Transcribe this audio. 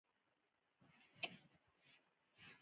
• لمر د نباتاتو د رڼا سرچینه ده.